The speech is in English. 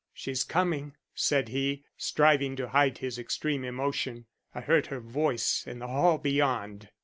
"She's coming," said he, striving to hide his extreme emotion. "I heard her voice in the hall beyond."